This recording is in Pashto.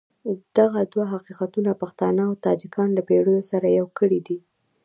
دغه دوه حقیقتونه پښتانه او تاجکان له پېړیو سره يو کړي دي.